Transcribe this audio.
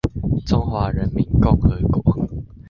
中華人民共和國